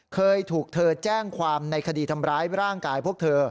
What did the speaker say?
เคยถูกเธอแจ้งความในคดีทำร้ายร่างกายพวกเธอ